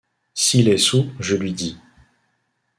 S’il est soûl, je lui dis :